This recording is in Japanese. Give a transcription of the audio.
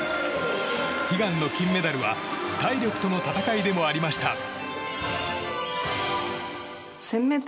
悲願の金メダルは体力との戦いでもありました。